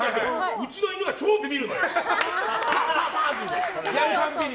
うちの犬が超ビビるのよ。